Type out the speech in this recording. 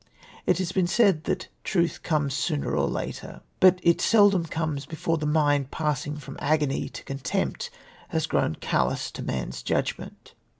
It has been said that truth comes sooner or later. But it seldom comes before the mind, passing from agony to contempt, has grown callous to man's judgment.